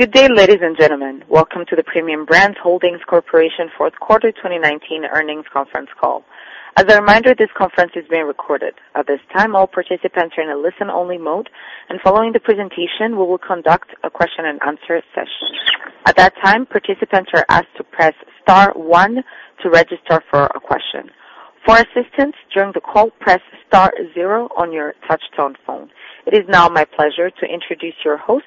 Good day, ladies and gentlemen. Welcome to the Premium Brands Holdings Corporation fourth quarter 2019 earnings conference call. As a reminder, this conference is being recorded. At this time, all participants are in a listen-only mode, and following the presentation, we will conduct a question-and-answer session. At that time, participants are asked to press star one to register for a question. For assistance during the call, press star zero on your touch-tone phone. It is now my pleasure to introduce your host,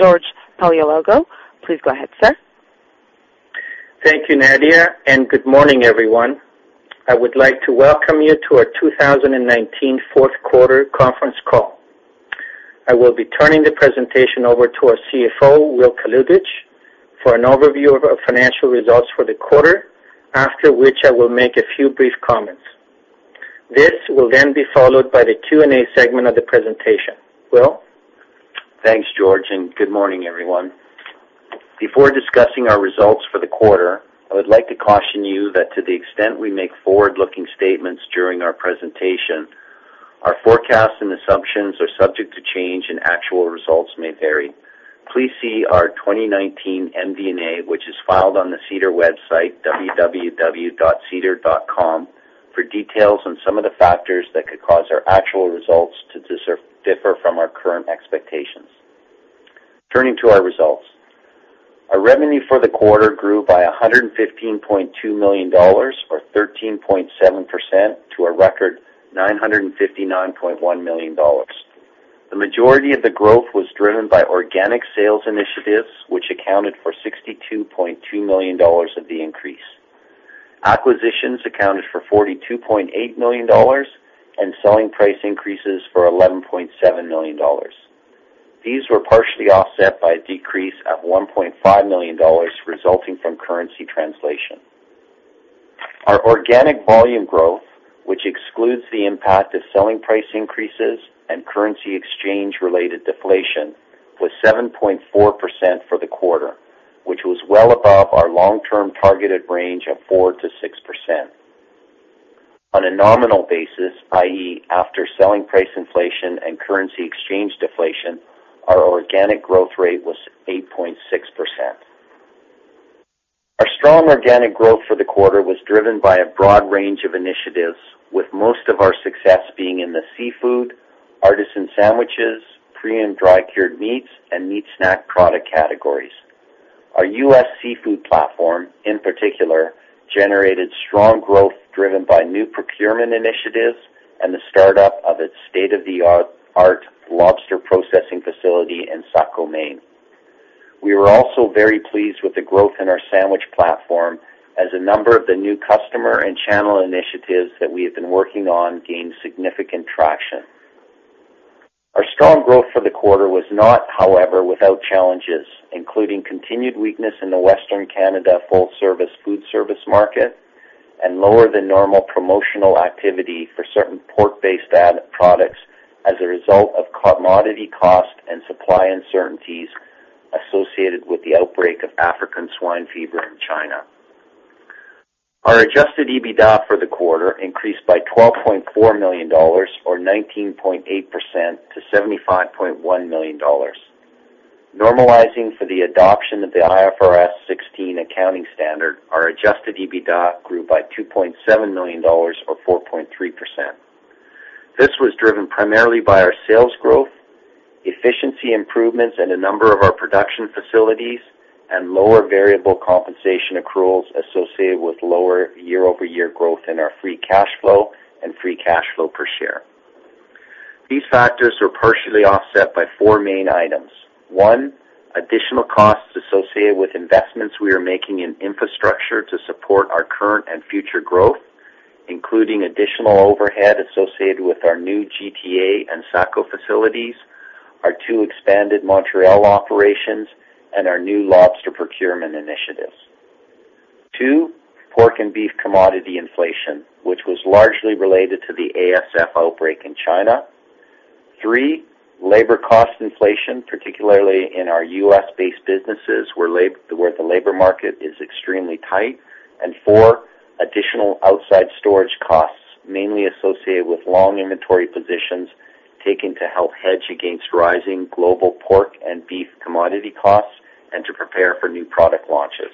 George Paleologou. Please go ahead, sir. Thank you, Nadia, and good morning, everyone. I would like to welcome you to our 2019 fourth quarter conference call. I will be turning the presentation over to our CFO, Will Kalutycz, for an overview of our financial results for the quarter, after which I will make a few brief comments. This will then be followed by the Q&A segment of the presentation. Will? Thanks, George. Good morning, everyone. Before discussing our results for the quarter, I would like to caution you that to the extent we make forward-looking statements during our presentation, our forecasts and assumptions are subject to change and actual results may vary. Please see our 2019 MD&A, which is filed on the SEDAR website, www.sedar.com, for details on some of the factors that could cause our actual results to differ from our current expectations. Turning to our results. Our revenue for the quarter grew by 115.2 million dollars, or 13.7%, to a record 959.1 million dollars. The majority of the growth was driven by organic sales initiatives, which accounted for 62.2 million dollars of the increase. Acquisitions accounted for 42.8 million dollars and selling price increases for 11.7 million dollars. These were partially offset by a decrease of 1.5 million dollars resulting from currency translation. Our organic volume growth, which excludes the impact of selling price increases and currency exchange-related deflation, was 7.4% for the quarter, which was well above our long-term targeted range of 4%-6%. On a nominal basis, i.e., after selling price inflation and currency exchange deflation, our organic growth rate was 8.6%. Our strong organic growth for the quarter was driven by a broad range of initiatives, with most of our success being in the seafood, artisan sandwiches, premium dry cured meats, and meat snack product categories. Our U.S. seafood platform, in particular, generated strong growth driven by new procurement initiatives and the startup of its state-of-the-art lobster processing facility in Saco, Maine. We were also very pleased with the growth in our sandwich platform as a number of the new customer and channel initiatives that we have been working on gained significant traction. Our strong growth for the quarter was not, however, without challenges, including continued weakness in the Western Canada full-service food service market and lower than normal promotional activity for certain pork-based products as a result of commodity cost and supply uncertainties associated with the outbreak of African swine fever in China. Our adjusted EBITDA for the quarter increased by 12.4 million dollars, or 19.8%, to 75.1 million dollars. Normalizing for the adoption of the IFRS 16 accounting standard, our adjusted EBITDA grew by 2.7 million dollars, or 4.3%. This was driven primarily by our sales growth, efficiency improvements in a number of our production facilities, and lower variable compensation accruals associated with lower year-over-year growth in our free cash flow and free cash flow per share. These factors were partially offset by four main items. One, additional costs associated with investments we are making in infrastructure to support our current and future growth, including additional overhead associated with our new GTA and Saco facilities, our two expanded Montreal operations, and our new lobster procurement initiatives. Two, pork and beef commodity inflation, which was largely related to the ASF outbreak in China. Three, labor cost inflation, particularly in our U.S.-based businesses, where the labor market is extremely tight. Four, additional outside storage costs, mainly associated with long inventory positions taken to help hedge against rising global pork and beef commodity costs and to prepare for new product launches.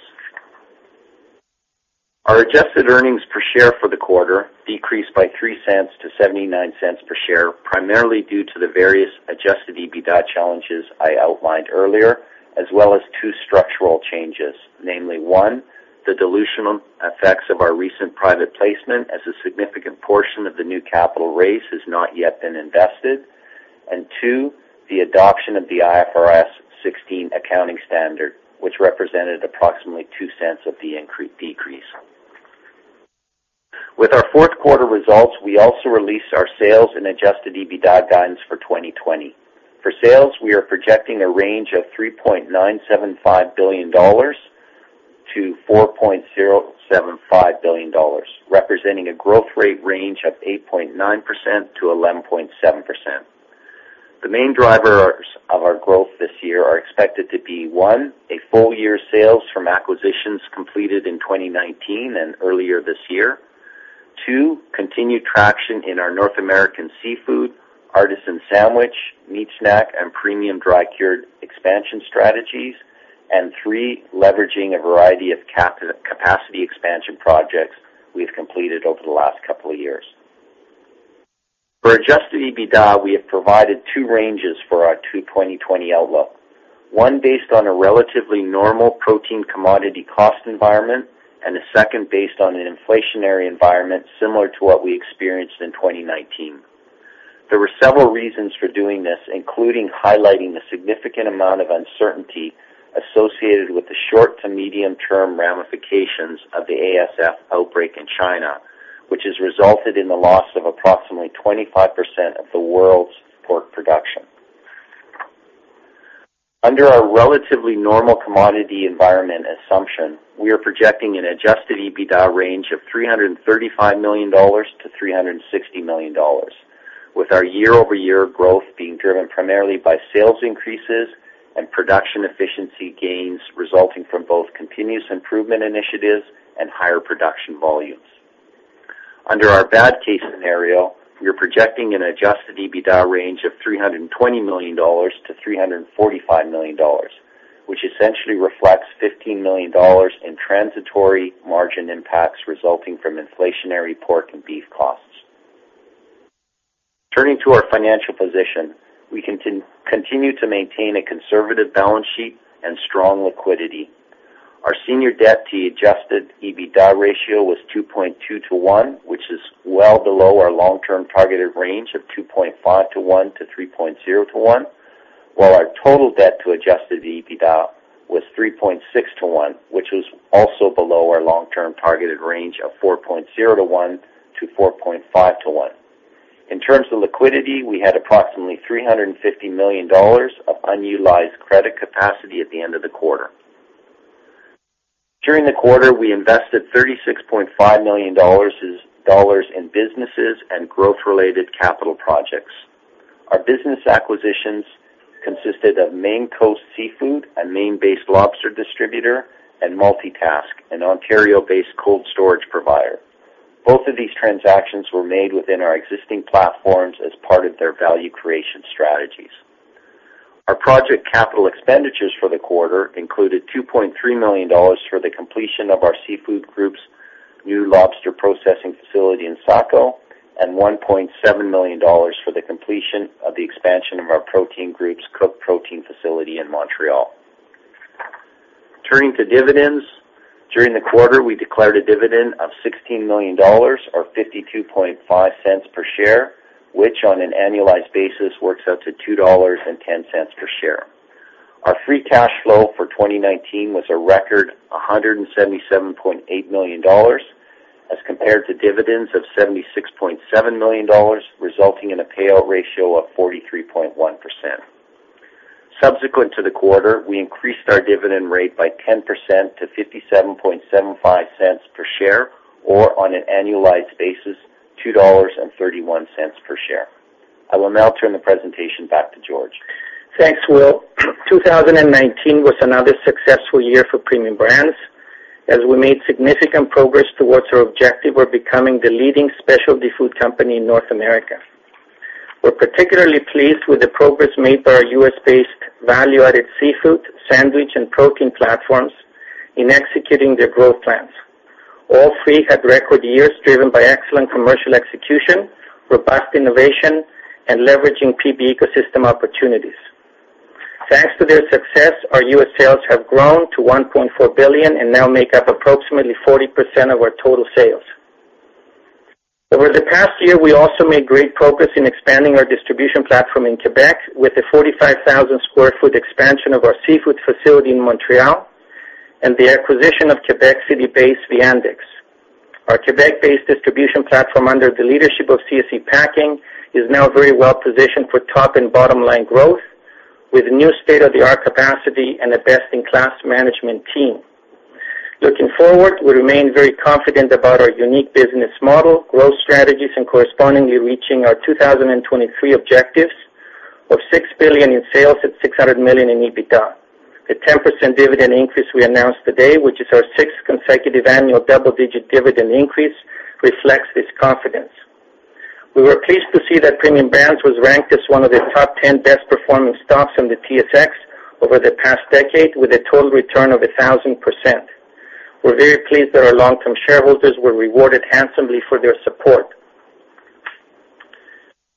Our adjusted earnings per share for the quarter decreased by 0.03-0.79 per share, primarily due to the various adjusted EBITDA challenges I outlined earlier, as well as two structural changes. Namely, one, the dilutional effects of our recent private placement as a significant portion of the new capital raise has not yet been invested. Two, the adoption of the IFRS 16 accounting standard, which represented approximately 0.02 of the decrease. With our fourth quarter results, we also released our sales and adjusted EBITDA guidance for 2020. For sales, we are projecting a range of 3.975 billion-4.075 billion dollars, representing a growth rate range of 8.9%-11.7%. The main drivers of our growth this year are expected to be, one, a full-year sales from acquisitions completed in 2019 and earlier this year. Two, continued traction in our North American seafood, artisan sandwich, meat snack, and premium dry cured expansion strategies. Three, leveraging a variety of capacity expansion projects we've completed over the last couple of years. For adjusted EBITDA, we have provided two ranges for our 2020 outlook, one based on a relatively normal protein commodity cost environment, and the second based on an inflationary environment similar to what we experienced in 2019. There were several reasons for doing this, including highlighting the significant amount of uncertainty associated with the short to medium-term ramifications of the ASF outbreak in China, which has resulted in the loss of approximately 25% of the world's pork production. Under our relatively normal commodity environment assumption, we are projecting an adjusted EBITDA range of 335 million-360 million dollars, with our year-over-year growth being driven primarily by sales increases and production efficiency gains resulting from both continuous improvement initiatives and higher production volumes. Under our bad case scenario, we are projecting an adjusted EBITDA range of 320 million-345 million dollars, which essentially reflects 15 million dollars in transitory margin impacts resulting from inflationary pork and beef costs. Turning to our financial position, we continue to maintain a conservative balance sheet and strong liquidity. Our senior debt-to-adjusted EBITDA ratio was 2.2:1, which is well below our long-term targeted range of 2.5:1-3.0:1, while our total debt to adjusted EBITDA was 3.6:1, which was also below our long-term targeted range of 4.0:1-4.5:1. In terms of liquidity, we had approximately 350 million dollars of unutilized credit capacity at the end of the quarter. During the quarter, we invested 36.5 million dollars in businesses and growth-related capital projects. Our business acquisitions consisted of Maine Coast Seafood, a Maine-based lobster distributor, and Multi-Task, an Ontario-based cold storage provider. Both of these transactions were made within our existing platforms as part of their value creation strategies. Our project capital expenditures for the quarter included 2.3 million dollars for the completion of our seafood group's new lobster processing facility in Saco, and 1.7 million dollars for the completion of the expansion of our protein group's cooked protein facility in Montreal. Turning to dividends, during the quarter, we declared a dividend of 16 million dollars or 0.525 per share, which on an annualized basis works out to 2.10 dollars per share. Our free cash flow for 2019 was a record 177.8 million dollars as compared to dividends of 76.7 million dollars, resulting in a payout ratio of 43.1%. Subsequent to the quarter, we increased our dividend rate by 10% to 0.5775 per share or on an annualized basis, 2.31 dollars per share. I will now turn the presentation back to George. Thanks, Will. 2019 was another successful year for Premium Brands as we made significant progress towards our objective of becoming the leading specialty food company in North America. We're particularly pleased with the progress made by our U.S.-based value-added seafood, sandwich, and protein platforms in executing their growth plans. All three had record years driven by excellent commercial execution, robust innovation, and leveraging PB ecosystem opportunities. Thanks to their success, our U.S. sales have grown to 1.4 billion and now make up approximately 40% of our total sales. Over the past year, we also made great progress in expanding our distribution platform in Quebec with a 45,000 sq ft expansion of our seafood facility in Montreal and the acquisition of Quebec City-based Viandex. Our Quebec-based distribution platform under the leadership of C&C Packing is now very well positioned for top and bottom-line growth with new state-of-the-art capacity and a best-in-class management team. Looking forward, we remain very confident about our unique business model, growth strategies, and correspondingly reaching our 2023 objectives of 6 billion in sales at 600 million in EBITDA. The 10% dividend increase we announced today, which is our sixth consecutive annual double-digit dividend increase, reflects this confidence. We were pleased to see that Premium Brands was ranked as one of the top 10 best-performing stocks on the TSX over the past decade, with a total return of 1,000%. We're very pleased that our long-term shareholders were rewarded handsomely for their support.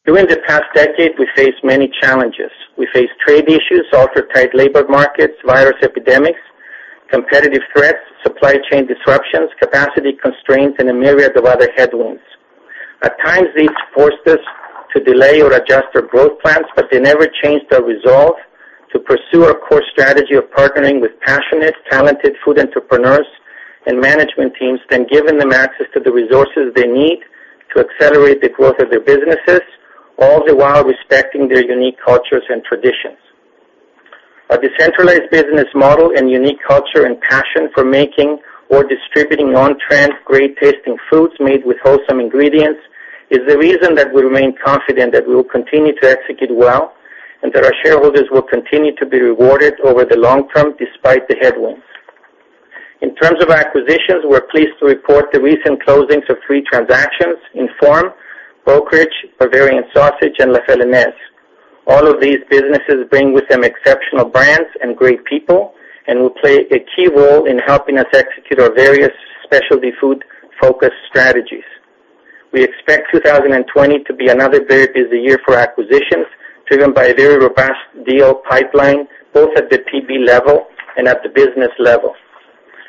During the past decade, we faced many challenges. We faced trade issues, ultra-tight labor markets, virus epidemics, competitive threats, supply chain disruptions, capacity constraints, and a myriad of other headwinds. At times, these forced us to delay or adjust our growth plans, but they never changed our resolve to pursue our core strategy of partnering with passionate, talented food entrepreneurs and management teams, then giving them access to the resources they need to accelerate the growth of their businesses, all the while respecting their unique cultures and traditions. Our decentralized business model and unique culture and passion for making or distributing on-trend, great-tasting foods made with wholesome ingredients is the reason that we remain confident that we will continue to execute well. That our shareholders will continue to be rewarded over the long term despite the headwinds. In terms of acquisitions, we're pleased to report the recent closings of three transactions, Inform Brokerage, Bavarian Sausage, and La Felinese. All of these businesses bring with them exceptional brands and great people and will play a key role in helping us execute our various specialty food-focused strategies. We expect 2020 to be another very busy year for acquisitions, driven by a very robust deal pipeline, both at the PB level and at the business level.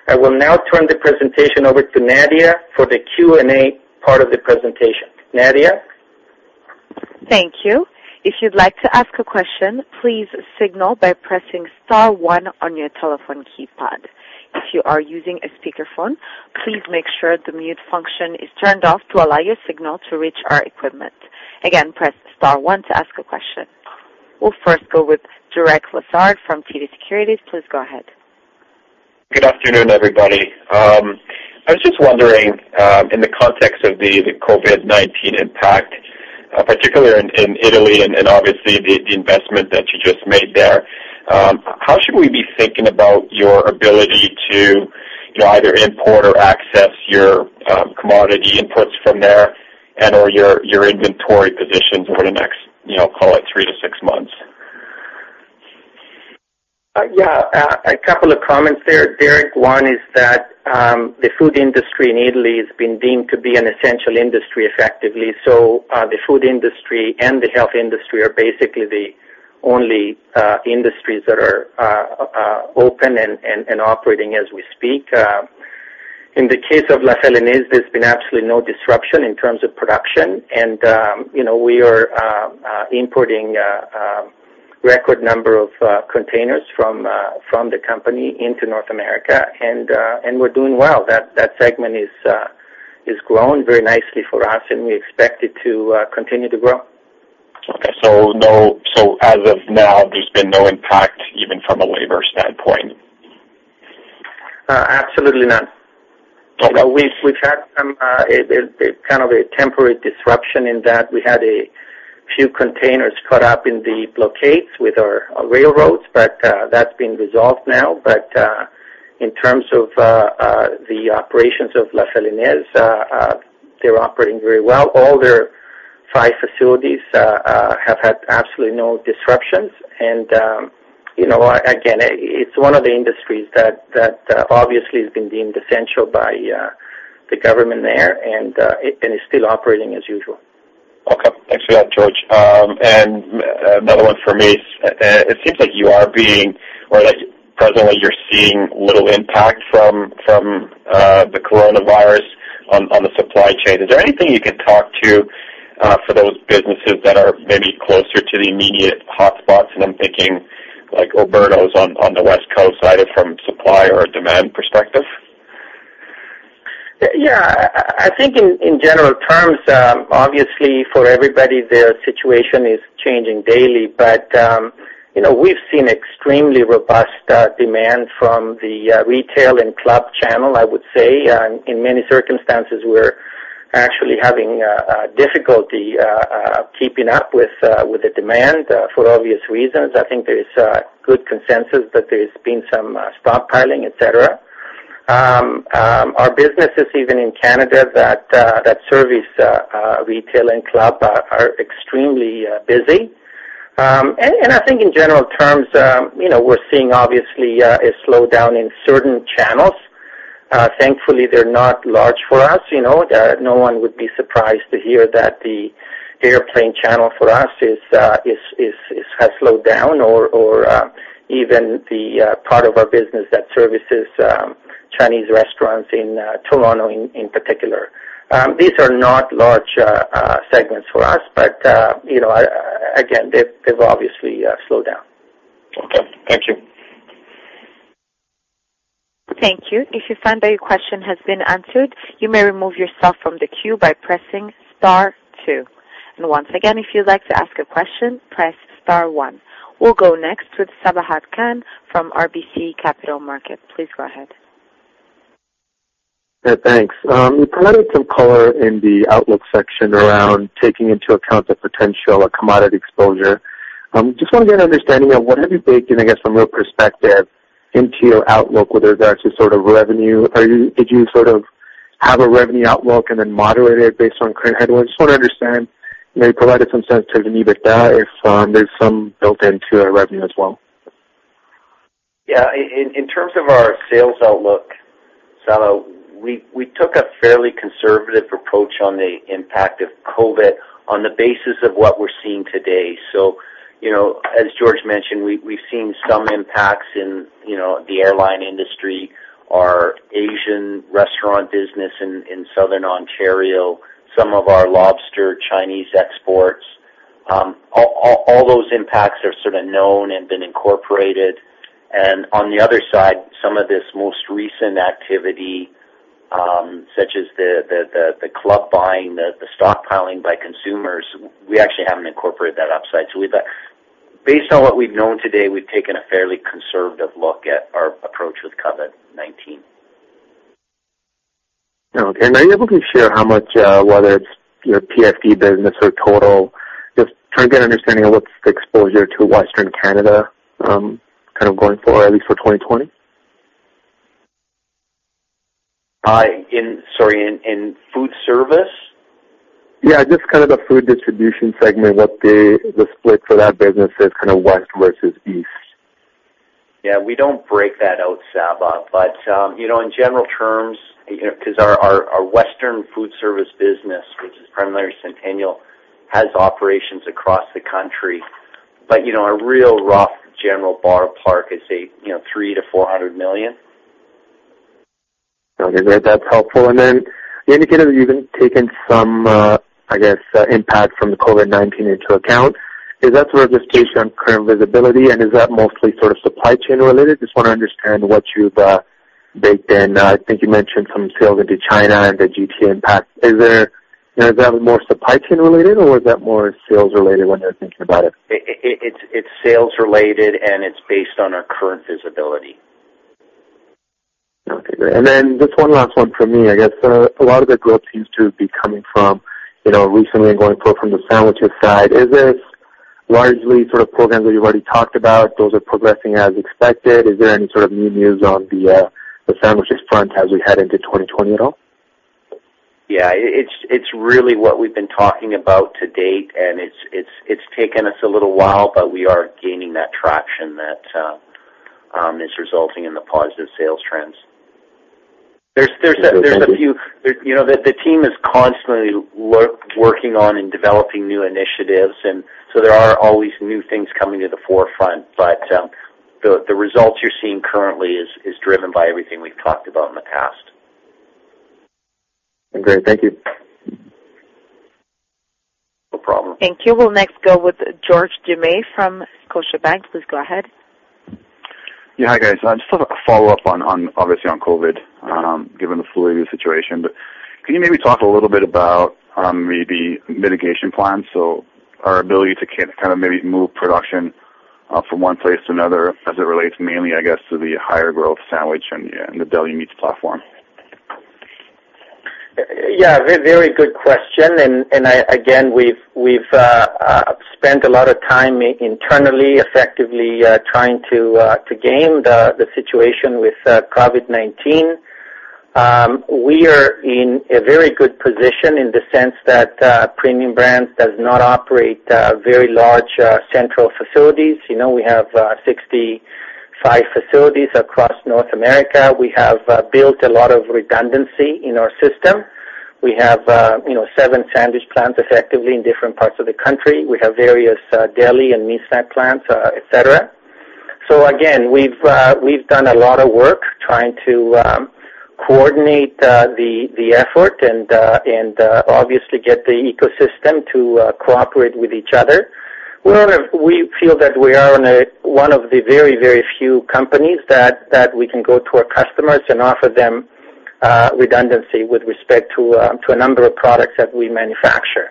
I will now turn the presentation over to Nadia for the Q&A part of the presentation. Nadia? Thank you. If you'd like to ask a question, please signal by pressing star one on your telephone keypad. If you are using a speakerphone, please make sure the mute function is turned off to allow your signal to reach our equipment. Again, press star one to ask a question. We'll first go with Derek Lessard from TD Securities. Please go ahead. Good afternoon, everybody. I was just wondering, in the context of the COVID-19 impact, particularly in Italy and obviously the investment that you just made there, how should we be thinking about your ability to either import or access your commodity inputs from there and, or your inventory positions over the next, call it three to six months? A couple of comments there, Derek. One is that the food industry in Italy has been deemed to be an essential industry effectively. The food industry and the health industry are basically the only industries that are open and operating as we speak. In the case of La Felinese, there's been absolutely no disruption in terms of production. We are importing a record number of containers from the company into North America and we're doing well. That segment is growing very nicely for us, and we expect it to continue to grow. Okay. As of now, there's been no impact, even from a labor standpoint? Absolutely none. Okay. We've had some kind of a temporary disruption in that we had a few containers caught up in the blockades with our railroads, but that's been resolved now. In terms of the operations of La Felinese, they're operating very well. All their five facilities have had absolutely no disruptions. Again, it's one of the industries that obviously has been deemed essential by the government there, and is still operating as usual. Okay. Thanks for that, George. Another one for me, it seems like you are being, or like presently you're seeing little impact from the coronavirus on the supply chain. Is there anything you can talk to for those businesses that are maybe closer to the immediate hotspots? I'm thinking like Oberto on the West Coast side from supply or a demand perspective. Yeah. I think in general terms, obviously for everybody, their situation is changing daily. We've seen extremely robust demand from the retail and club channel, I would say. In many circumstances, we're actually having difficulty keeping up with the demand for obvious reasons. I think there's a good consensus that there's been some stockpiling, etc. Our businesses, even in Canada that service retail and club are extremely busy. I think in general terms, we're seeing obviously a slowdown in certain channels. Thankfully, they're not large for us. No one would be surprised to hear that the airplane channel for us has slowed down or even the part of our business that services Chinese restaurants in Toronto in particular. These are not large segments for us, but again, they've obviously slowed down. Okay. Thank you. Thank you. If you find that your question has been answered, you may remove yourself from the queue by pressing star two. Once again, if you'd like to ask a question, press star one. We'll go next with Sabahat Khan from RBC Capital Markets. Please go ahead. Yeah, thanks. You provided some color in the outlook section around taking into account the potential of commodity exposure. Just want to get an understanding of what have you baked in, I guess, from a perspective into your outlook with regards to sort of revenue. Did you sort of have a revenue outlook and then moderate it based on current headwinds? Just want to understand, you provided some sensitivity with that if there's some built into our revenue as well. In terms of our sales outlook, Saba, we took a fairly conservative approach on the impact of COVID-19 on the basis of what we're seeing today. As George mentioned, we've seen some impacts in the airline industry, our Asian restaurant business in Southern Ontario, some of our lobster Chinese exports. All those impacts are sort of known and been incorporated. On the other side, some of this most recent activity, such as the club buying, the stockpiling by consumers, we actually haven't incorporated that upside. Based on what we've known today, we've taken a fairly conservative look at our approach with COVID-19. Okay. Are you able to share how much, whether it's your PFD business or total, just trying to get an understanding of what's the exposure to Western Canada, going forward, at least for 2020? Sorry, in food service? Yeah, just the food distribution segment, what the split for that business is West versus East? Yeah, we don't break that out, Saba. In general terms, because our Western foodservice business, which is primarily Centennial, has operations across the country. A real rough general ballpark is 3 million-400 million. Okay, great. That's helpful. Then you indicated that you've taken some, I guess, impact from the COVID-19 into account. Is that sort of the state on current visibility, and is that mostly sort of supply chain related? Just want to understand what you've baked in. I think you mentioned some sales into China and the GTA impact. Is that more supply chain related, or is that more sales related when you're thinking about it? It's sales related, and it's based on our current visibility. Okay, great. Just one last one from me. I guess a lot of the growth seems to be coming from, recently and going forward from the sandwiches side. Is this largely programs that you've already talked about? Those are progressing as expected. Is there any sort of new news on the sandwiches front as we head into 2020 at all? It's really what we've been talking about to date, and it's taken us a little while, but we are gaining that traction that is resulting in the positive sales trends. Okay, thank you. There's a few. The team is constantly working on and developing new initiatives, and so there are always new things coming to the forefront, but the results you're seeing currently is driven by everything we've talked about in the past. Great. Thank you. No problem. Thank you. We'll next go with George Doumet from Scotiabank. Please go ahead. Yeah. Hi, guys. I just have a follow-up, obviously, on COVID, given the fluid situation. Can you maybe talk a little bit about maybe mitigation plans? Our ability to maybe move production from one place to another as it relates mainly, I guess, to the higher growth sandwich and the deli meats platform. Yeah. Again, we've spent a lot of time internally, effectively, trying to game the situation with COVID-19. We are in a very good position in the sense that Premium Brands does not operate very large central facilities. We have 65 facilities across North America. We have built a lot of redundancy in our system. We have seven sandwich plants effectively in different parts of the country. We have various deli and meat snack plants, etc. Again, we've done a lot of work trying to coordinate the effort and, obviously, get the ecosystem to cooperate with each other. We feel that we are one of the very, very few companies that we can go to our customers and offer them redundancy with respect to a number of products that we manufacture.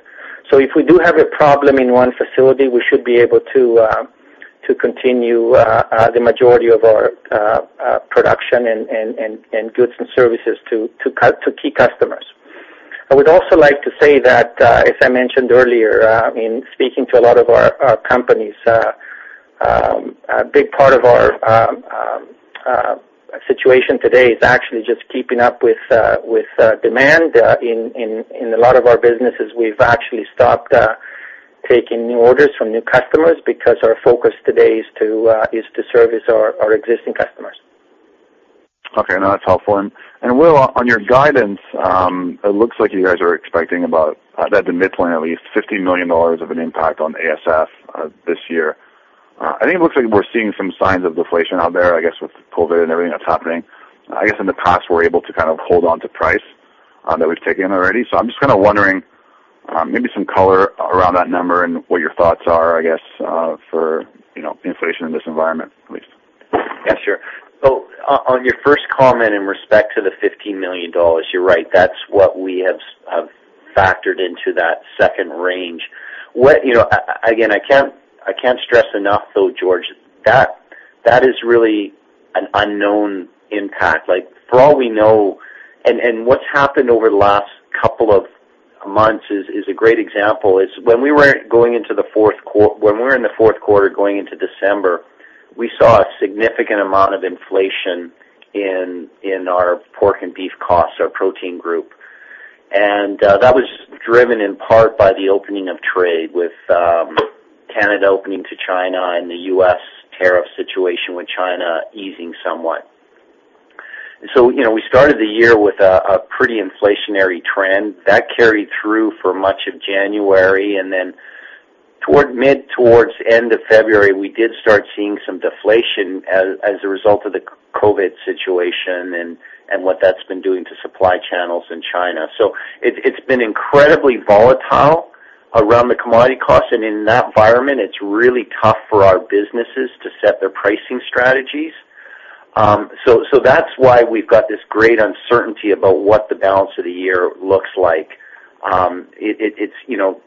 If we do have a problem in one facility, we should be able to continue the majority of our production and goods and services to key customers. I would also like to say that, as I mentioned earlier, in speaking to a lot of our companies, a big part of our situation today is actually just keeping up with demand. In a lot of our businesses, we've actually stopped taking new orders from new customers because our focus today is to service our existing customers. No, that's helpful. Will, on your guidance, it looks like you guys are expecting about, at the midpoint at least, 15 million dollars of an impact on ASF this year. I think it looks like we're seeing some signs of deflation out there, I guess, with COVID-19 and everything that's happening. I guess in the past, we're able to kind of hold onto price that we've taken already. I'm just kind of wondering, maybe some color around that number and what your thoughts are, I guess, for inflation in this environment at least. Yeah, sure. On your first comment in respect to the 15 million dollars, you're right. That's what we have factored into that second range. Again, I can't stress enough, though, George, that is really an unknown impact. Like, for all we know, and what's happened over the last couple of months is a great example, is when we were in the fourth quarter going into December, we saw a significant amount of inflation in our pork and beef costs, our protein group. That was driven in part by the opening of trade with Canada opening to China and the U.S. tariff situation with China easing somewhat. We started the year with a pretty inflationary trend. That carried through for much of January, and then toward mid, towards end of February, we did start seeing some deflation as a result of the COVID situation and what that's been doing to supply channels in China. It's been incredibly volatile around the commodity costs, and in that environment, it's really tough for our businesses to set their pricing strategies. That's why we've got this great uncertainty about what the balance of the year looks like.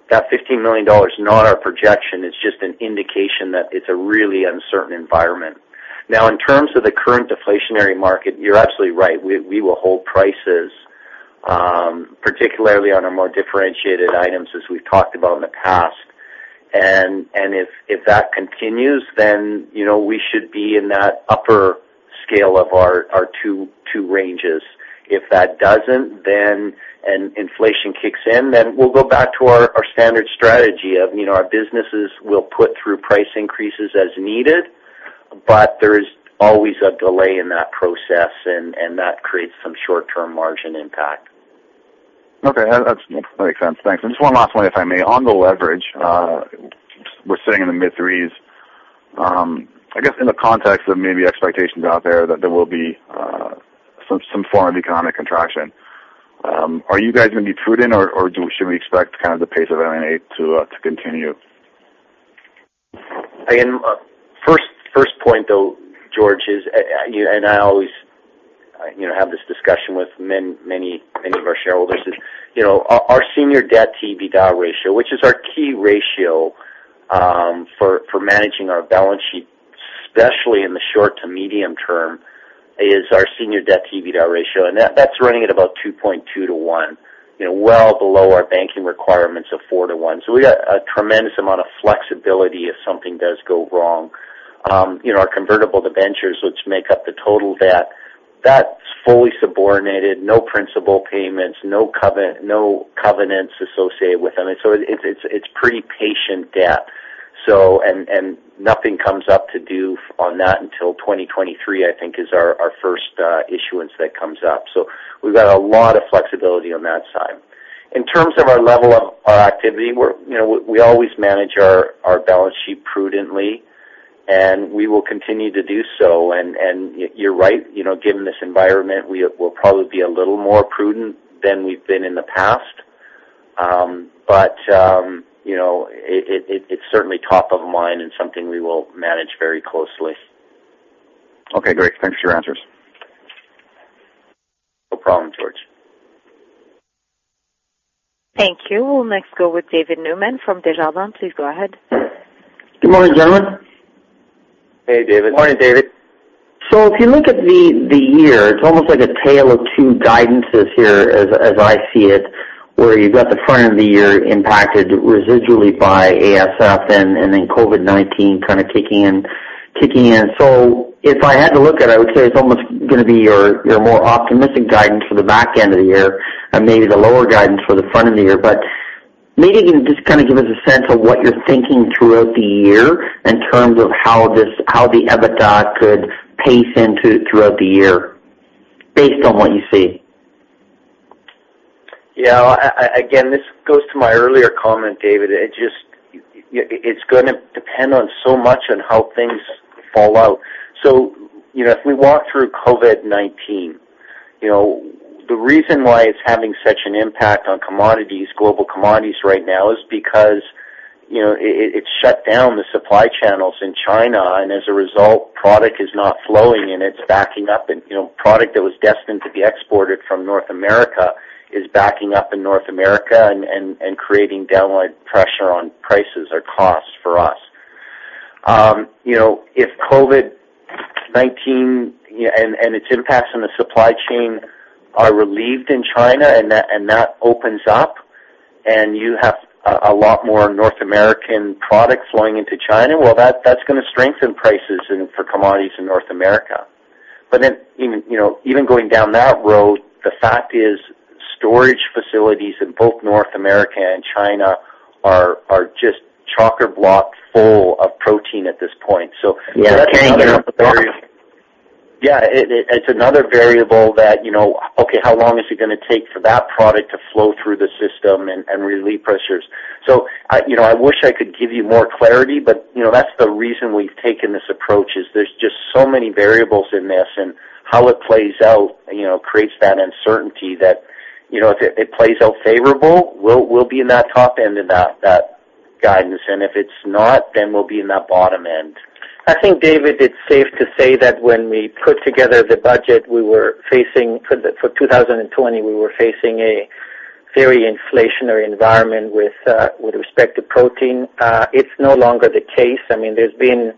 That 15 million dollars is not our projection, it's just an indication that it's a really uncertain environment. In terms of the current deflationary market, you're absolutely right. We will hold prices, particularly on our more differentiated items, as we've talked about in the past. If that continues, then we should be in that upper scale of our two ranges. If that doesn't, and inflation kicks in, then we'll go back to our standard strategy of our businesses will put through price increases as needed. There is always a delay in that process, and that creates some short-term margin impact. Okay. That makes sense. Thanks. Just one last one, if I may. On the leverage, we're sitting in the mid-threes. I guess in the context of maybe expectations out there that there will be some form of economic contraction, are you guys going to be prudent, or should we expect the pace of M&A to continue? First point though, George, and I always have this discussion with many of our shareholders, is our senior debt to EBITDA ratio, which is our key ratio for managing our balance sheet, especially in the short to medium term. That's running at about 2.2:1, well below our banking requirements of 4:1. We got a tremendous amount of flexibility if something does go wrong. Our convertible debentures, which make up the total debt, that's fully subordinated, no principal payments, no covenants associated with them. It's pretty patient debt. Nothing comes up to due on that until 2023, I think, is our first issuance that comes up. We've got a lot of flexibility on that side. In terms of our level of our activity, we always manage our balance sheet prudently, and we will continue to do so. You're right, given this environment, we'll probably be a little more prudent than we've been in the past. It's certainly top of mind and something we will manage very closely. Okay, great. Thanks for your answers. No problem, George. Thank you. We'll next go with David Newman from Desjardins. Please go ahead. Good morning, gentlemen. Hey, David. Morning, David. If you look at the year, it's almost like a tale of two guidances here, as I see it, where you've got the front of the year impacted residually by ASF and then COVID-19 kind of kicking in. If I had to look at it, I would say it's almost going to be your more optimistic guidance for the back end of the year and maybe the lower guidance for the front of the year. Maybe you can just kind of give us a sense of what you're thinking throughout the year in terms of how the EBITDA could pace in throughout the year based on what you see. This goes to my earlier comment, David. It's going to depend on so much on how things fall out. As we walk through COVID-19, the reason why it's having such an impact on global commodities right now is because it shut down the supply channels in China, and as a result, product is not flowing and it's backing up. Product that was destined to be exported from North America is backing up in North America and creating downward pressure on prices or costs for us. If COVID-19 and its impacts on the supply chain are relieved in China and that opens up, and you have a lot more North American product flowing into China, well, that's going to strengthen prices for commodities in North America. Even going down that road, the fact is storage facilities in both North America and China are just chock-a-block full of protein at this point. Yeah. Yeah. It's another variable that, okay, how long is it going to take for that product to flow through the system and relieve pressures? I wish I could give you more clarity, but that's the reason we've taken this approach, is there's just so many variables in this and how it plays out creates that uncertainty that if it plays out favorable, we'll be in that top end of that guidance. If it's not, then we'll be in that bottom end. I think, David, it's safe to say that when we put together the budget for 2020, we were facing a very inflationary environment with respect to protein. It's no longer the case. There's been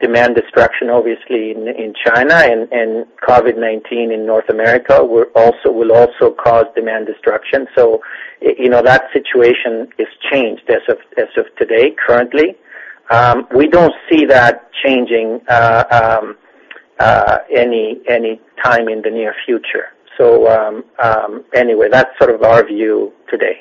demand destruction, obviously, in China, and COVID-19 in North America will also cause demand destruction. That situation is changed as of today, currently. We don't see that changing any time in the near future. Anyway, that's sort of our view today.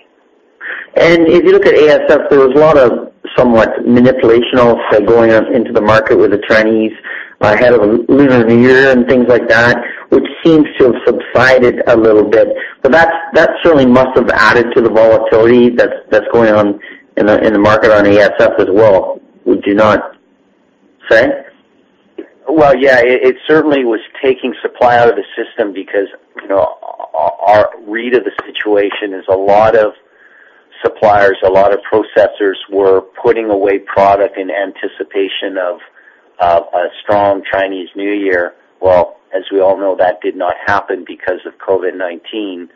If you look at ASF, there was a lot of somewhat manipulation going into the market with the Chinese ahead of Lunar New Year and things like that, which seems to have subsided a little bit. That certainly must have added to the volatility that's going on in the market on ASF as well. We do not Say? Well, yeah, it certainly was taking supply out of the system because our read of the situation is a lot of suppliers, a lot of processors were putting away product in anticipation of a strong Chinese New Year. Well, as we all know, that did not happen because of COVID-19.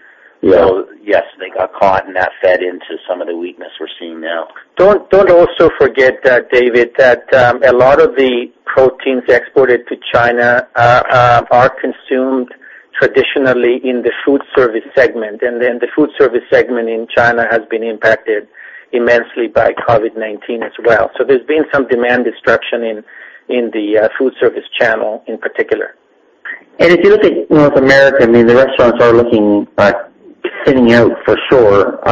Yes, they got caught and that fed into some of the weakness we're seeing now. Don't also forget, David, that a lot of the proteins exported to China are consumed traditionally in the food service segment. The food service segment in China has been impacted immensely by COVID-19 as well. There's been some demand destruction in the food service channel in particular. If you look at North America, the restaurants are looking like sitting out for sure.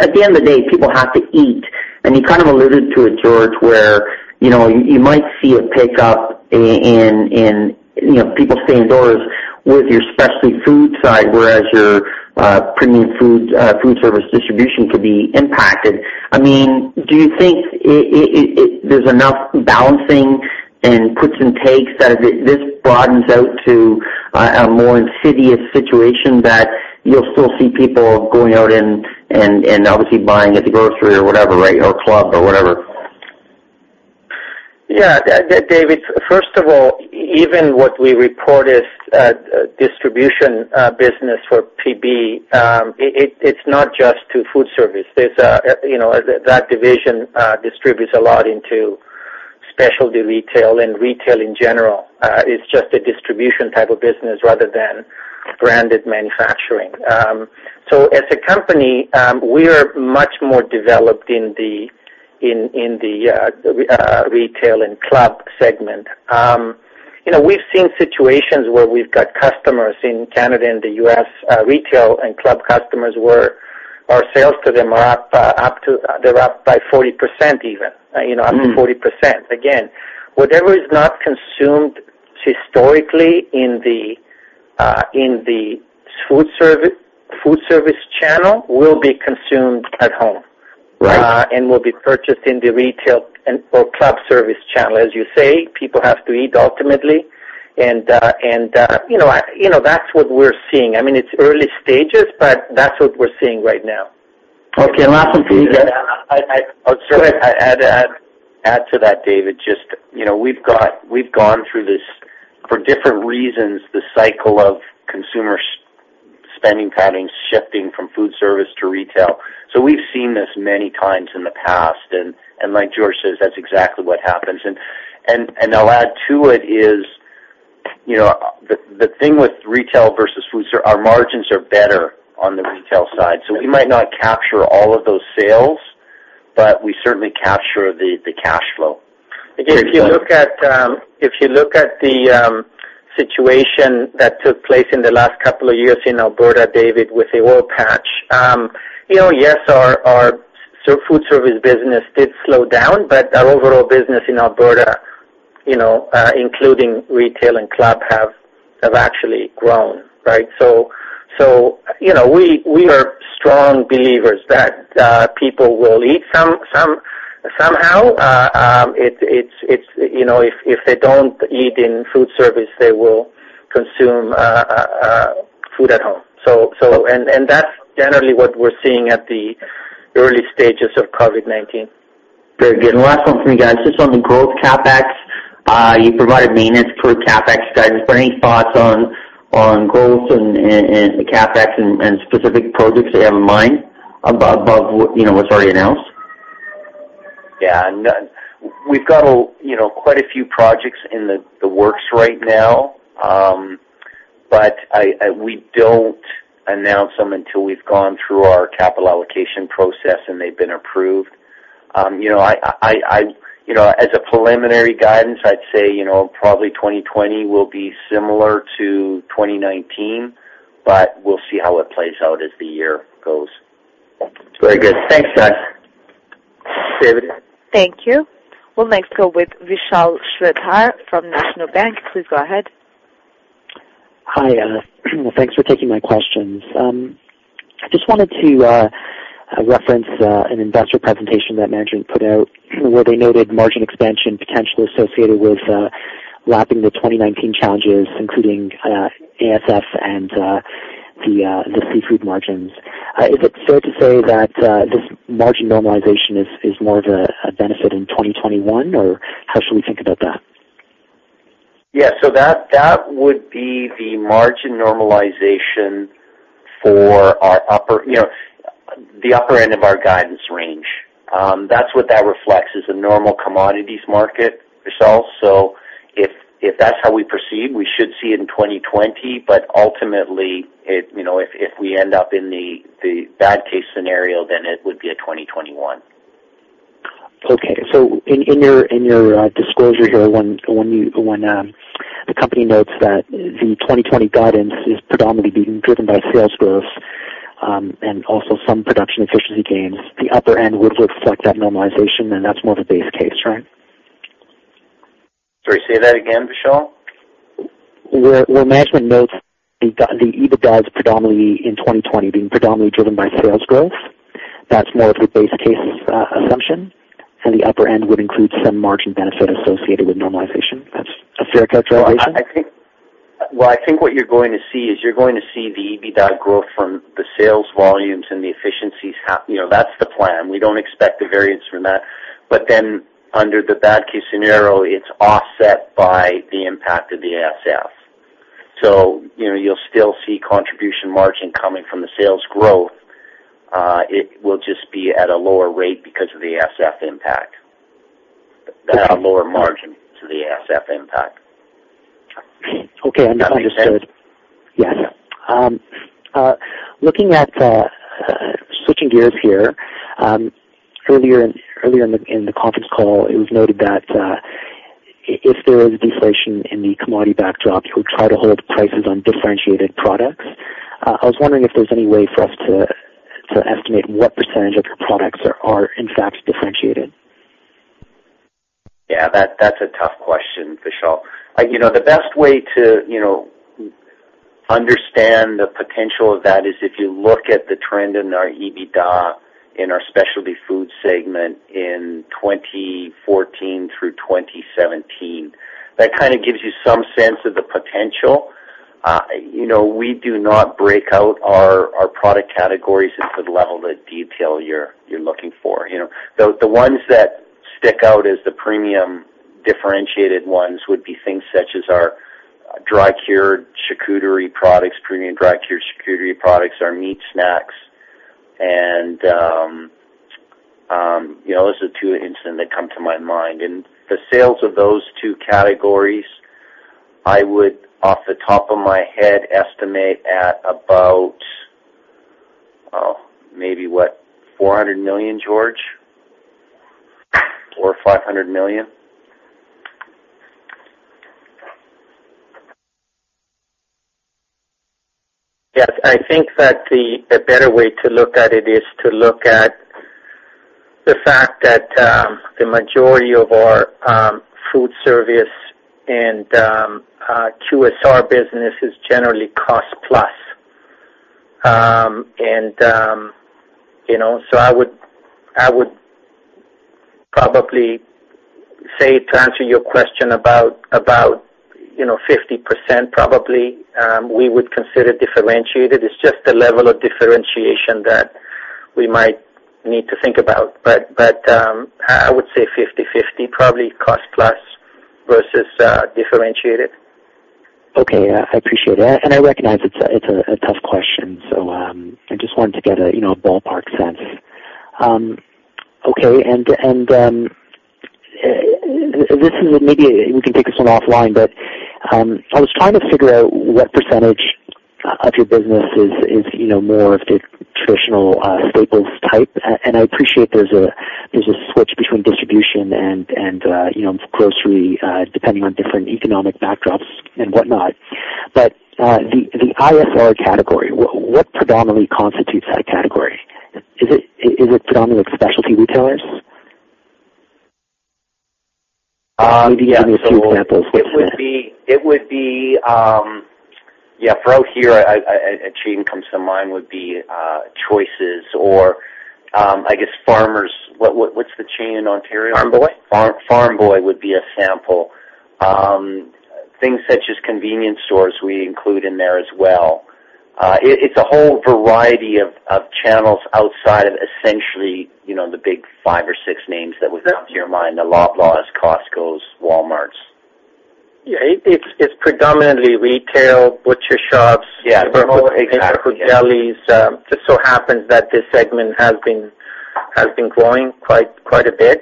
At the end of the day, people have to eat. You kind of alluded to it, George, where you might see a pickup in people staying indoors with your specialty food side, whereas your premium food service distribution could be impacted. Do you think there's enough balancing and puts and takes that if this broadens out to a more insidious situation, that you'll still see people going out and obviously buying at the grocery or whatever, right, or club or whatever? David, first of all, even what we report as distribution business for PB, it's not just to food service. That division distributes a lot into specialty retail and retail in general. It's just a distribution type of business rather than branded manufacturing. As a company, we are much more developed in the retail and club segment. We've seen situations where we've got customers in Canada and the U.S., retail and club customers, where our sales to them are up by 40% even. Up to 40%. Whatever is not consumed historically in the food service channel will be consumed at home. Right. Will be purchased in the retail or club service channel. As you say, people have to eat ultimately. That's what we're seeing. It's early stages, but that's what we're seeing right now. Okay, last one for you guys. I'm sorry. Go ahead. I'd add to that, David, just we've gone through this for different reasons, the cycle of consumer spending patterns shifting from food service to retail. We've seen this many times in the past, and like George says, that's exactly what happens. I'll add to it is, the thing with retail versus food service, our margins are better on the retail side. We might not capture all of those sales, but we certainly capture the cash flow. Again, if you look at the situation that took place in the last couple of years in Alberta, David, with the oil patch. Yes, our food service business did slow down, but our overall business in Alberta, including retail and club, have actually grown, right? We are strong believers that people will eat somehow. If they don't eat in food service, they will consume food at home. That's generally what we're seeing at the early stages of COVID-19. Very good. Last one from you guys, just on the growth CapEx, you provided maintenance for CapEx guidance. Any thoughts on goals and CapEx and specific projects you have in mind above what's already announced? Yeah. We've got quite a few projects in the works right now. We don't announce them until we've gone through our capital allocation process and they've been approved. As a preliminary guidance, I'd say, probably 2020 will be similar to 2019, but we'll see how it plays out as the year goes. Very good. Thanks, guys. Thanks David. Thank you. We'll next go with Vishal Shreedhar from National Bank. Please go ahead. Hi. Thanks for taking my questions. Just wanted to reference an investor presentation that management put out where they noted margin expansion potentially associated with lapping the 2019 challenges, including ASF and the seafood margins. Is it fair to say that this margin normalization is more of a benefit in 2021, or how should we think about that? Yeah. That would be the margin normalization for the upper end of our guidance range. That's what that reflects, is a normal commodities market result. If that's how we proceed, we should see it in 2020, but ultimately, if we end up in the bad case scenario, then it would be a 2021. In your disclosure here, when the company notes that the 2020 guidance is predominantly being driven by sales growth, and also some production efficiency gains, the upper end would reflect that normalization, and that's more of a base case, right? Sorry, say that again, Vishal. Where management notes the EBITDA predominantly in 2020 being predominantly driven by sales growth. That's more of the base case assumption. The upper end would include some margin benefit associated with normalization. That's a fair characterization? Well, I think what you're going to see is you're going to see the EBITDA growth from the sales volumes and the efficiencies. That's the plan. We don't expect a variance from that. Under the bad case scenario, it's offset by the impact of the ASF. You'll still see contribution margin coming from the sales growth. It will just be at a lower rate because of the ASF impact. At a lower margin to the ASF impact. Okay. Understood. Does that make sense? Yes. Switching gears here, earlier in the conference call, it was noted that if there was deflation in the commodity backdrop, you would try to hold prices on differentiated products. I was wondering if there's any way for us to estimate what percentage of your products are in fact differentiated? Yeah, that's a tough question, Vishal. The best way to understand the potential of that is if you look at the trend in our EBITDA in our specialty food segment in 2014 through 2017. That kind of gives you some sense of the potential. We do not break out our product categories into the level of detail you're looking for. The ones that stick out as the premium differentiated ones would be things such as our dry-cured charcuterie products, premium dry-cured charcuterie products, our meat snacks, and those are two instantly that come to my mind. The sales of those two categories, I would, off the top of my head, estimate at about, maybe what, 400 million, George? Or 500 million? Yes, I think that the better way to look at it is to look at the fact that the majority of our food service and QSR business is generally cost plus. I would probably say, to answer your question, about 50%, probably, we would consider differentiated. It's just the level of differentiation that we might need to think about. I would say 50/50, probably cost plus versus differentiated. Okay. I appreciate it. I recognize it's a tough question, so I just wanted to get a ballpark sense. Okay. Maybe we can take this one offline, but I was trying to figure out what percentage of your business is more of the traditional staples type, and I appreciate there's a switch between distribution and grocery, depending on different economic backdrops and whatnot. The ISR category, what predominantly constitutes that category? Is it predominantly specialty retailers? Maybe give me a few examples. What's in it? It would be, for out here, a chain comes to mind would be Choices or I guess Farmer's. What's the chain in Ontario? Farm Boy? Farm Boy would be a sample. Things such as convenience stores, we include in there as well. It's a whole variety of channels outside of essentially the big five or six names that would come to your mind, the Loblaws, Costco, Walmart. Yeah. It's predominantly retail, butcher shops. Yeah. Exactly. Delis. Just so happens that this segment has been growing quite a bit.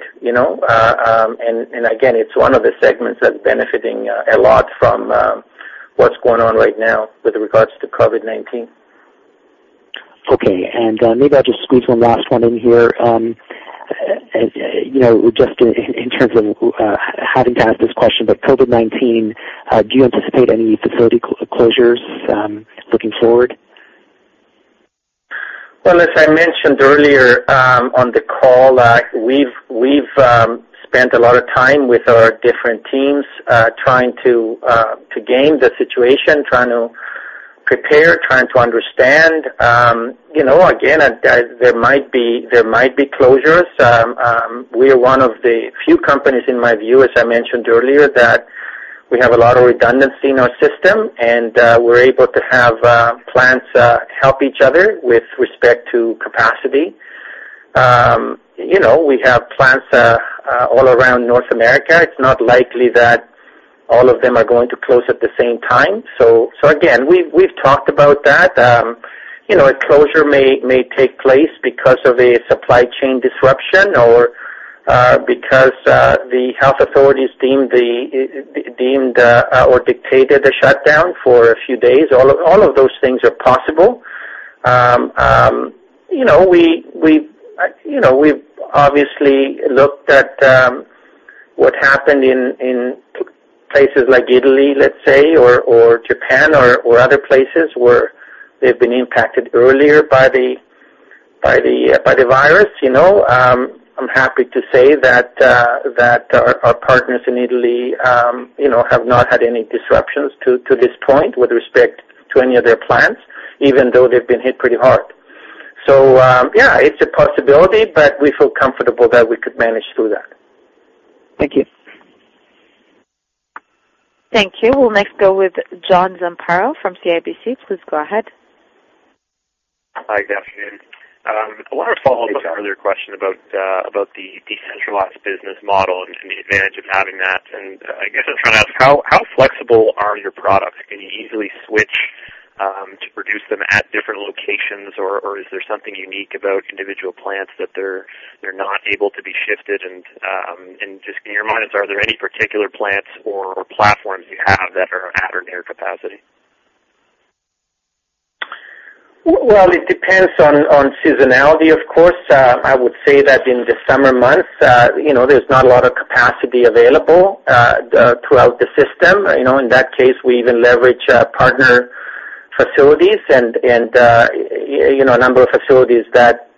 Again, it's one of the segments that's benefiting a lot from what's going on right now with regards to COVID-19. Okay. Maybe I'll just squeeze one last one in here. Just in terms of having to ask this question, COVID-19, do you anticipate any facility closures looking forward? Well, as I mentioned earlier on the call, we've spent a lot of time with our different teams trying to gauge the situation, trying to prepare, trying to understand. Again, there might be closures. We're one of the few companies, in my view, as I mentioned earlier, that we have a lot of redundancy in our system, and we're able to have plants help each other with respect to capacity. We have plants all around North America. It's not likely that all of them are going to close at the same time. Again, we've talked about that. A closure may take place because of a supply chain disruption or because the health authorities deemed or dictated a shutdown for a few days. All of those things are possible. We've obviously looked at what happened in places like Italy, let's say, or Japan, or other places where they've been impacted earlier by the virus. I'm happy to say that our partners in Italy have not had any disruptions to this point with respect to any of their plants, even though they've been hit pretty hard. Yeah, it's a possibility, but we feel comfortable that we could manage through that. Thank you. Thank you. We'll next go with John Zamparo from CIBC. Please go ahead. Hi, good afternoon. I want to follow up on an earlier question about the decentralized business model and the advantage of having that. I guess I was trying to ask how flexible are your products? Can you easily switch to produce them at different locations, or is there something unique about individual plants that they're not able to be shifted? Just can you remind us, are there any particular plants or platforms you have that are at or near capacity? Well, it depends on seasonality, of course. I would say that in the summer months, there's not a lot of capacity available throughout the system. In that case, we even leverage partner facilities and a number of facilities that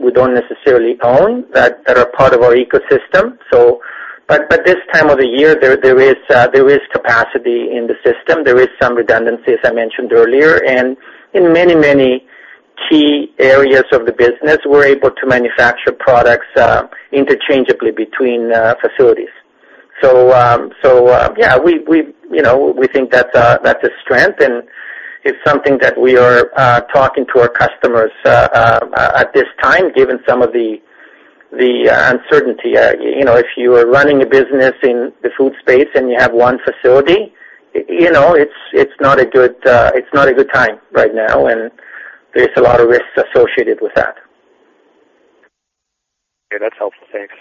we don't necessarily own, that are part of our ecosystem. This time of the year, there is capacity in the system. There is some redundancy, as I mentioned earlier. In many key areas of the business, we're able to manufacture products interchangeably between facilities. Yeah, we think that's a strength, and it's something that we are talking to our customers at this time, given some of the uncertainty. If you are running a business in the food space and you have one facility, it's not a good time right now, and there's a lot of risks associated with that. Okay, that's helpful. Thanks.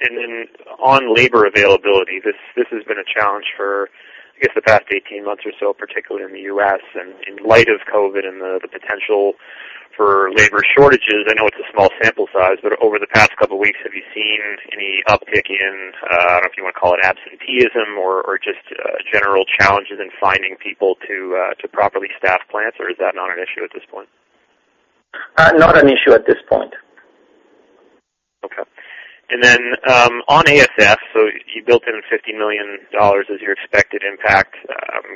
Then on labor availability, this has been a challenge for, I guess, the past 18 months or so, particularly in the U.S. In light of COVID and the potential for labor shortages, I know it's a small sample size, but over the past couple of weeks, have you seen any uptick in, I don't know if you want to call it absenteeism or just general challenges in finding people to properly staff plants, or is that not an issue at this point? Not an issue at this point. Okay. On ASF, you built in 50 million dollars as your expected impact.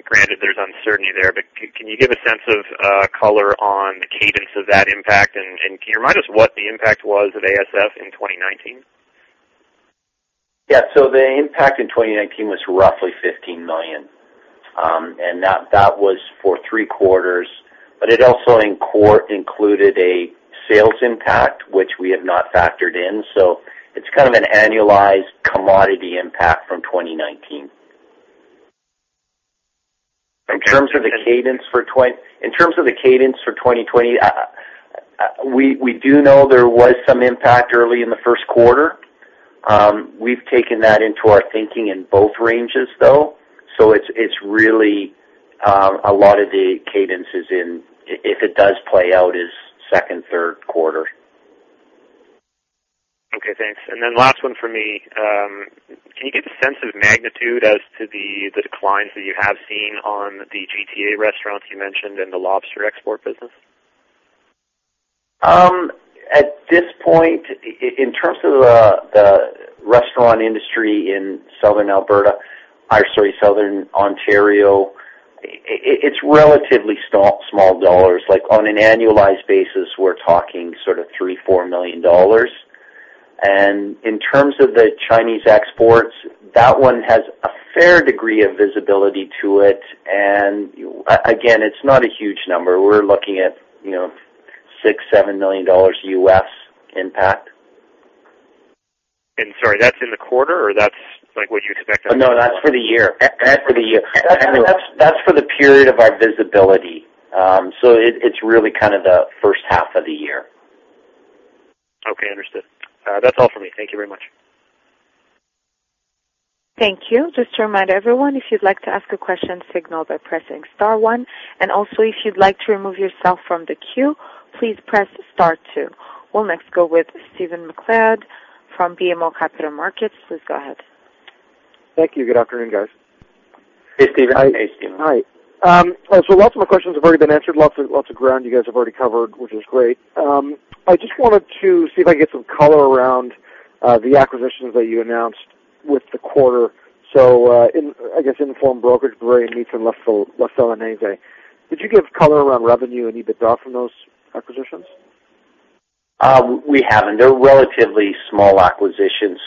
Granted, there's uncertainty there, can you give a sense of color on the cadence of that impact? Can you remind us what the impact was of ASF in 2019? Yeah. The impact in 2019 was roughly 15 million, and that was for three quarters. It also included a sales impact, which we have not factored in. It's kind of an annualized commodity impact from 2019. In terms of the cadence for 2020, we do know there was some impact early in the first quarter. We've taken that into our thinking in both ranges, though. It's really a lot of the cadence is in, if it does play out, is second, third quarter. Okay, thanks. Last one for me. Can you give a sense of magnitude as to the declines that you have seen on the GTA restaurants you mentioned and the lobster export business? At this point, in terms of the restaurant industry in Southern Ontario, it's relatively small dollars. Like on an annualized basis, we're talking sort of 3 million-4 million dollars. In terms of the Chinese exports, that one has a fair degree of visibility to it, and again, it's not a huge number. We're looking at $6 million-$7 million U.S. impact. Sorry, that's in the quarter, or that's like what you expect out of the quarter? No, that's for the year. That's for the period of our visibility. It's really kind of the first half of the year. Okay, understood. That's all for me. Thank you very much. Thank you. Just to remind everyone, if you'd like to ask a question, signal by pressing star one. Also, if you'd like to remove yourself from the queue, please press star two. We'll next go with Stephen MacLeod from BMO Capital Markets. Please go ahead. Thank you. Good afternoon, guys. Hey, Stephen. Hey, Stephen. Hi. Lots of my questions have already been answered, lots of ground you guys have already covered, which is great. I just wanted to see if I can get some color around the acquisitions that you announced with the quarter. I guess Inform Brokerage, Bavarian, and La Felinese. Could you give color around revenue and EBITDA from those acquisitions? We haven't. They're relatively small acquisitions.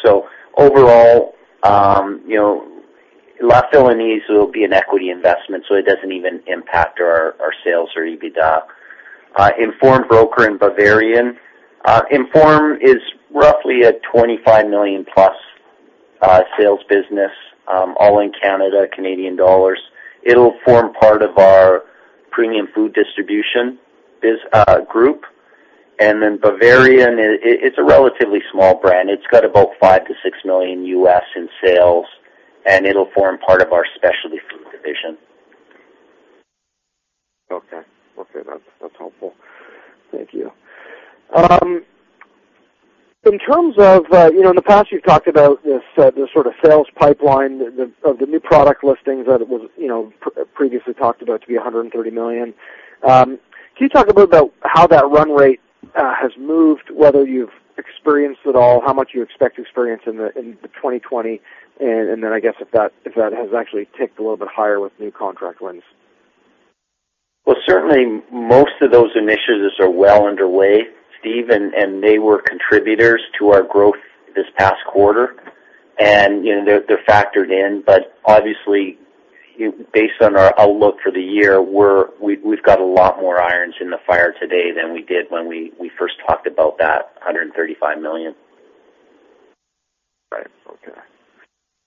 Overall, La Felinese will be an equity investment, so it doesn't even impact our sales or EBITDA. Inform Brokerage and Bavarian. Inform is roughly a 25 million+ sales business, all in Canada, Canadian dollars. It'll form part of our premium food distribution group. Bavarian, it's a relatively small brand. It's got about $5 million-$6 million U.S. in sales, and it'll form part of our specialty food division. Okay. That's helpful. Thank you. In terms of, in the past, you've talked about this sort of sales pipeline of the new product listings that was previously talked about to be 130 million. Can you talk a bit about how that run rate has moved, whether you've experienced it all, how much you expect to experience in 2020, and then I guess if that has actually ticked a little bit higher with new contract wins? Certainly, most of those initiatives are well underway, Stephen, and they were contributors to our growth this past quarter. They're factored in, but obviously, based on our outlook for the year, we've got a lot more irons in the fire today than we did when we first talked about that 135 million. Right. Okay.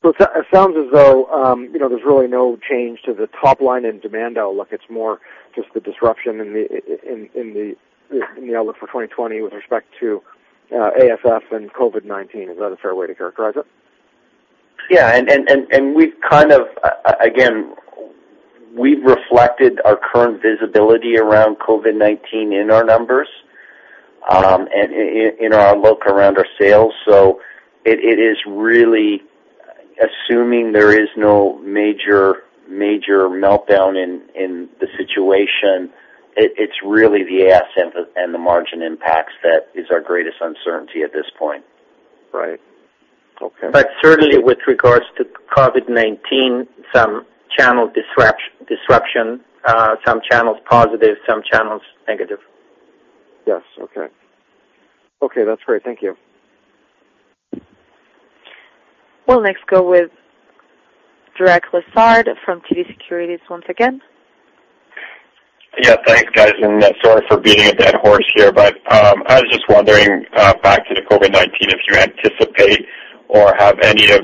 It sounds as though there's really no change to the top line in demand outlook. It's more just the disruption in the outlook for 2020 with respect to ASF and COVID-19. Is that a fair way to characterize it? Again, we've reflected our current visibility around COVID-19 in our numbers, and in our outlook around our sales. Assuming there is no major meltdown in the situation, it's really the asset and the margin impacts that is our greatest uncertainty at this point. Right. Okay. Certainly with regards to COVID-19, some channel disruption, some channels positive, some channels negative. Yes. Okay. Okay, that's great. Thank you. We'll next go with Derek Lessard from TD Securities once again. Yeah, thanks, guys, and sorry for beating a dead horse here, but I was just wondering, back to the COVID-19, if you anticipate or have any of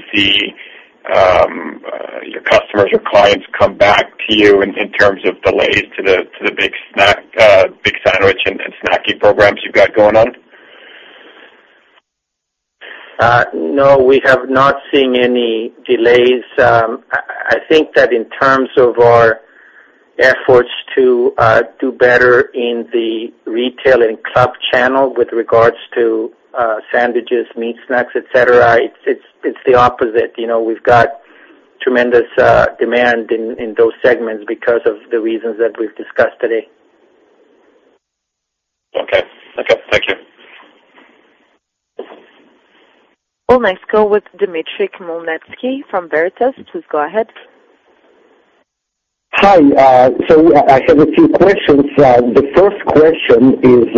your customers or clients come back to you in terms of delays to the big sandwich and snacking programs you've got going on? No, we have not seen any delays. I think that in terms of our efforts to do better in the retail and club channel with regards to sandwiches, meat, snacks, etc, it's the opposite. We've got tremendous demand in those segments because of the reasons that we've discussed today. Okay. Thank you. We'll next go with Dimitry Khmelnitsky from Veritas. Please go ahead. Hi. I have a few questions. The first question is,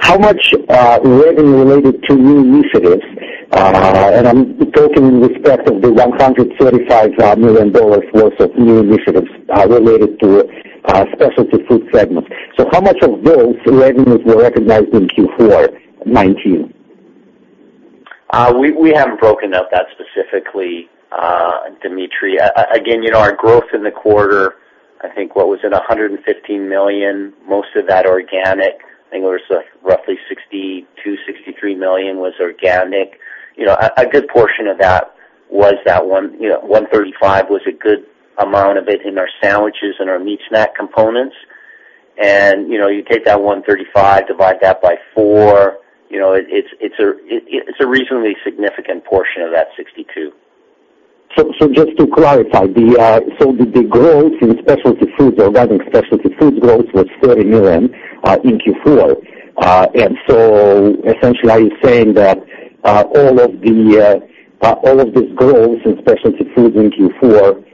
how much revenue related to new initiatives, and I'm talking in respect of the CAD 135 million worth of new initiatives related to specialty food segments. How much of those revenues were recognized in Q4 2019? We haven't broken out that specifically, Dimitry. Our growth in the quarter, I think what was it, 115 million, most of that organic. I think it was roughly 62 million-63 million was organic. A good portion of that was that one. 135 was a good amount of it in our sandwiches and our meat snack components. You take that 135, divide that by four, it's a reasonably significant portion of that 62. Just to clarify, the growth in specialty foods, organic specialty foods growth was 30 million in Q4. Essentially, are you saying that all of this growth in specialty foods in Q4,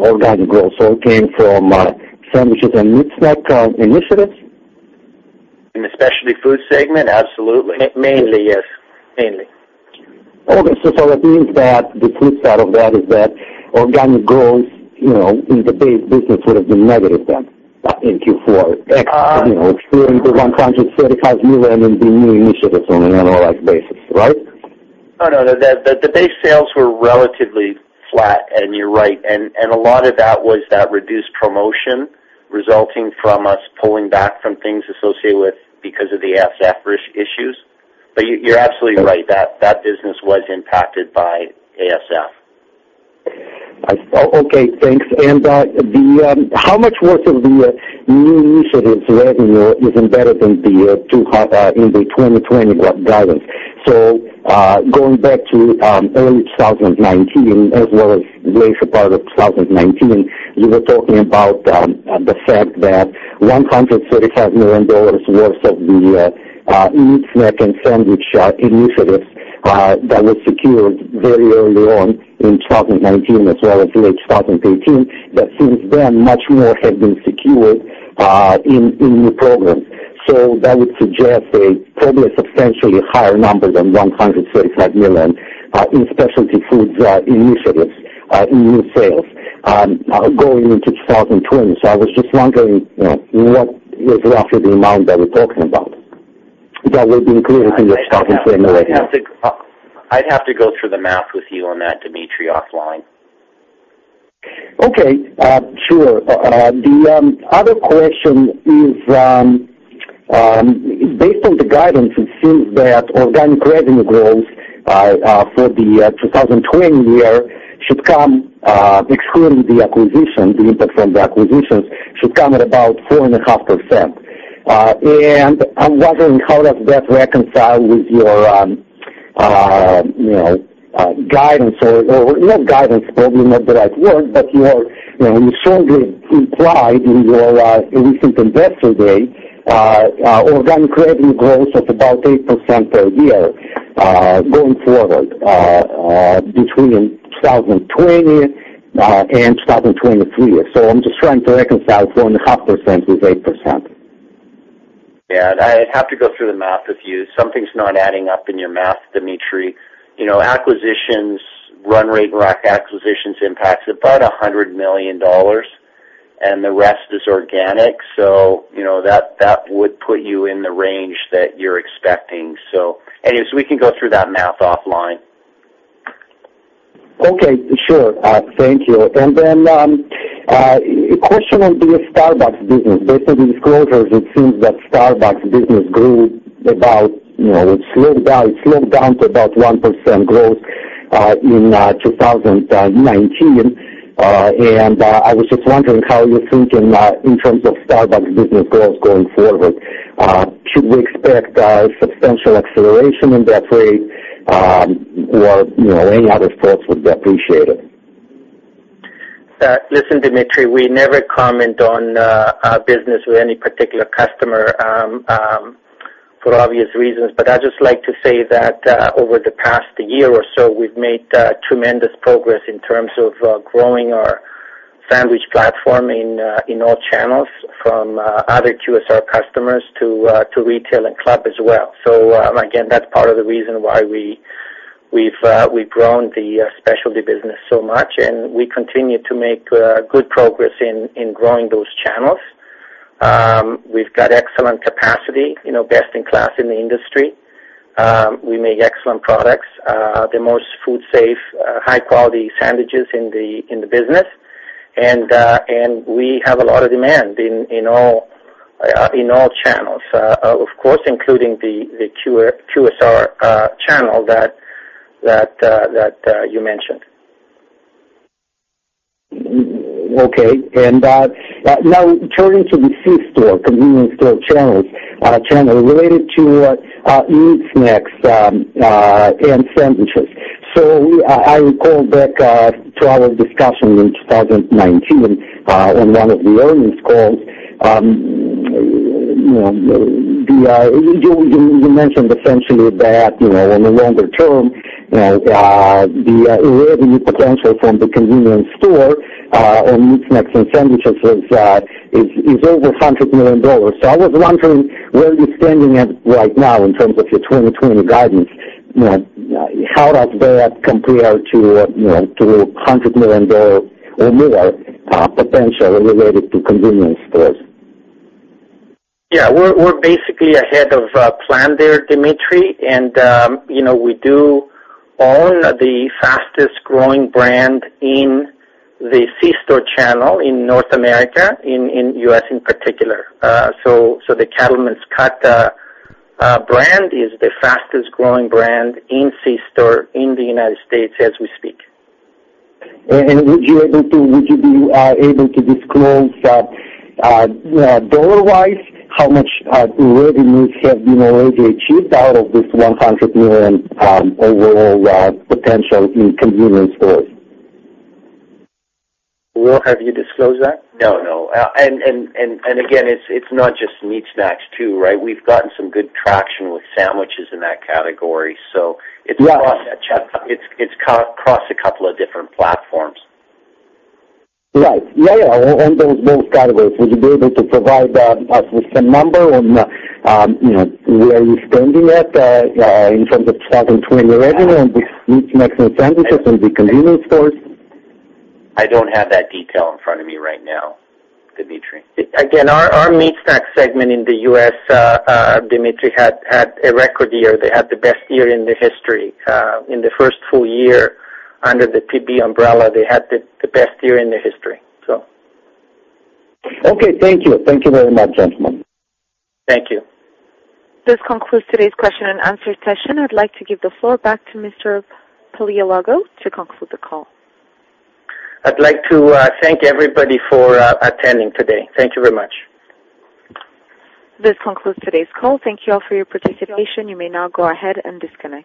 organic growth, all came from sandwiches and meat snack initiatives? In the specialty food segment, absolutely. Mainly, yes. Mainly. Okay. It means that the flip side of that is that organic growth in the base business would have been negative then in Q4, excluding the CAD 135 million in new initiatives on an annualized basis, right? Oh, no. The base sales were relatively flat, and you're right. A lot of that was that reduced promotion resulting from us pulling back from things associated with because of the ASF issues. You're absolutely right. That business was impacted by ASF. Okay, thanks. How much worth of the new initiatives revenue is embedded in the 2020 guidance? Going back to early 2019 as well as later part of 2019, you were talking about the fact that 135 million dollars worth of the meat, snack, and sandwich initiatives that were secured very early on in 2019 as well as late 2018, but since then, much more have been secured in new programs. That would suggest a probably a substantially higher number than CAD 135 million in specialty foods initiatives in new sales going into 2020. I was just wondering what is roughly the amount that we're talking about that would include in the 2020 revenue. I'd have to go through the math with you on that, Dimitry, offline. Okay, sure. The other question is, based on the guidance, it seems that organic revenue growth for the 2020 year should come, excluding the impact from the acquisitions, should come at about 4.5%. I'm wondering, how does that reconcile with your guidance, or not guidance, probably not the right word, but you strongly implied in your recent investor day organic revenue growth of about 8% per year. Going forward between 2020 and 2023. I'm just trying to reconcile 4.5% with 8%. Yeah. I'd have to go through the math with you. Something's not adding up in your math, Dimitry. Run rate rock acquisitions impact is about 100 million dollars, and the rest is organic. That would put you in the range that you're expecting. Anyways, we can go through that math offline. Okay. Sure. Thank you. Then, a question on the Starbucks business. Based on disclosures, it seems that Starbucks business slowed down to about 1% growth in 2019. I was just wondering how you're thinking in terms of Starbucks business growth going forward. Should we expect a substantial acceleration in that rate? Any other thoughts would be appreciated. Listen, Dimitry, we never comment on our business with any particular customer, for obvious reasons. I'd just like to say that over the past year or so, we've made tremendous progress in terms of growing our sandwich platform in all channels from other QSR customers to retail and club as well. Again, that's part of the reason why we've grown the specialty business so much, and we continue to make good progress in growing those channels. We've got excellent capacity, best in class in the industry. We make excellent products, the most food safe, high-quality sandwiches in the business. We have a lot of demand in all channels, of course, including the QSR channel that you mentioned. Now turning to the C-store, convenience store channels related to meat snacks and sandwiches. I recall back to our discussion in 2019, in one of the earnings calls. You mentioned essentially that in the longer term, the revenue potential from the convenience store on meat snacks and sandwiches is over CAD 100 million. I was wondering where you're standing at right now in terms of your 2020 guidance. How does that compare to CAD 100 million or more potential related to convenience stores? Yeah. We're basically ahead of plan there, Dimitry. We do own the fastest growing brand in the C-store channel in North America, in U.S. in particular. The Cattleman's Cut brand is the fastest growing brand in C-store in the United States as we speak. Would you be able to disclose dollar-wise how much revenues have been already achieved out of this 100 million overall potential in convenience stores? Will, have you disclosed that? No. Again, it's not just meat snacks too, right? We've gotten some good traction with sandwiches in that category- Yeah. ...across a couple of different platforms. Right. Yeah. On both categories. Would you be able to provide us with some number on where you're standing at in terms of 2020 revenue on these meat snacks and sandwiches in the convenience stores? I don't have that detail in front of me right now, Dimitry. Again, our meat snack segment in the U.S., Dimitry, had a record year. They had the best year in their history. In the first full year under the PB umbrella, they had the best year in their history. Okay, thank you. Thank you very much, gentlemen. Thank you. This concludes today's question-and-answer session. I'd like to give the floor back to Mr. Paleologou to conclude the call. I'd like to thank everybody for attending today. Thank you very much. This concludes today's call. Thank you all for your participation. You may now go ahead and disconnect.